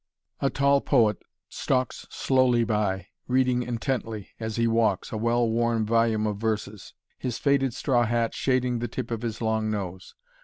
A tall poet stalks slowly by, reading intently, as he walks, a well worn volume of verses his faded straw hat shading the tip of his long nose.